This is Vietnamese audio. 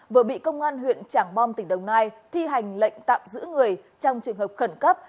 vừa bị công an huyện trảng bom tỉnh đồng nai thi hành lệnh tạm giữ người trong trường hợp khẩn cấp